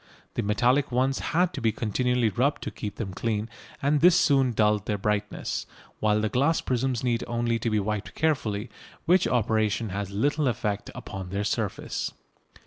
The metallic ones had to be continually rubbed to keep them clean, and this soon dulled their brightness, while the glass prisms need only to be wiped carefully, which operation has little effect upon their surface.